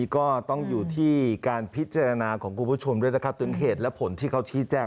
ก็นี่ล่ะค่ะ